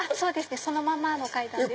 そのままの階段です。